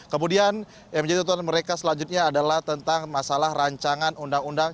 kemudian yang menjadi tuntutan mereka selanjutnya adalah tentang masalah rancangan undang undang